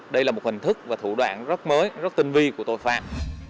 đây là một hình thức và thủ đoạn rất mới rất tinh vi của tội phạm